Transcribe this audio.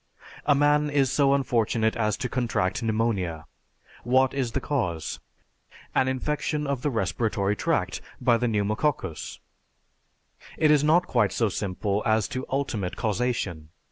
A man is so unfortunate as to contract pneumonia. What is the cause? An infection of the respiratory tract by the pneumococcus. It is not quite so simple as to ultimate causation.